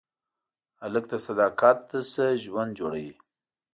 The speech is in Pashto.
هلک له صداقت نه ژوند جوړوي.